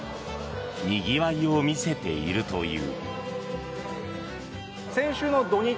にぎわいを見せているという。